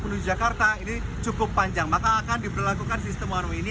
menuju jakarta ini cukup panjang maka akan diberlakukan sistem one way ini